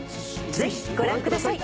ぜひご覧ください。